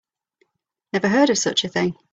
Never heard of such a thing.